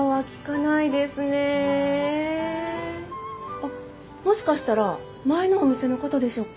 あっもしかしたら前のお店のことでしょうか？